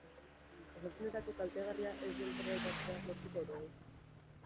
Osasunerako kaltegarria ez den zerbait hartzea lortuko ote du?